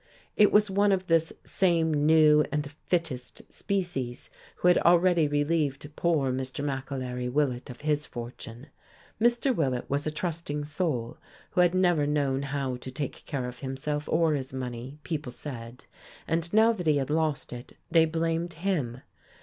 It was one of this same new and "fittest" species who had already relieved poor Mr. McAlery Willett of his fortune. Mr. Willett was a trusting soul who had never known how to take care of himself or his money, people said, and now that he had lost it they blamed him.